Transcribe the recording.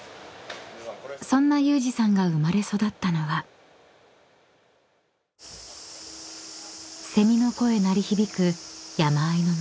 ［そんな有志さんが生まれ育ったのはセミの声鳴り響く山あいの町］